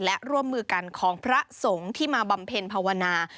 และร่วมมือกันของพระสงฆ์ที่มาบำเพ็ญภาวนา